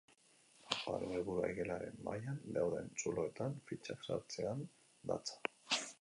Jokoaren helburua igelaren mahaian dauden zuloetan fitxak sartzean datza.